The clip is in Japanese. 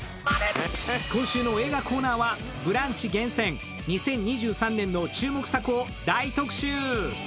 今週の映画コーナーは「ブランチ」厳選２０２３年の注目作を大特集！